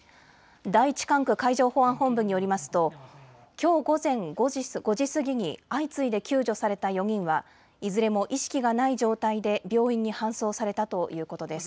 第１管区海上保安本部によりますときょう午前５時過ぎに相次いで救助された４人はいずれも意識がない状態で病院に搬送されたということです。